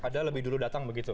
padahal lebih dulu datang begitu